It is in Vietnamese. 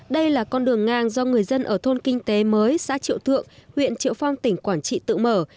đây là con đường ngang do người dân ở thôn kinh tế mới xã triệu thượng huyện triệu phong tỉnh quảng trị tự mở